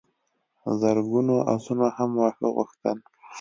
زرګونو آسونو هم واښه غوښتل.